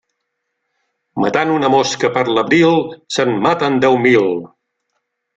Matant una mosca per l'abril, se'n maten deu mil.